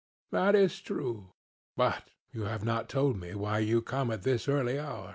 SOCRATES: That is true. But you have not told me why you come at this early hour.